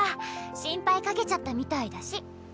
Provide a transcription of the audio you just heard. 心配かけちゃったみたいだし。